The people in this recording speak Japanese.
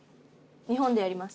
日本でやります。